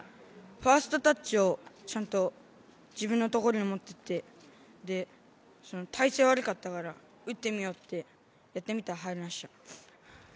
ファーストタッチをちゃんと自分のところに持ってきて、体勢が悪かったから打ってみようってやってみたら入りました。